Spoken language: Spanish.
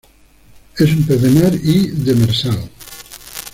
Es un pez mar de y demersal.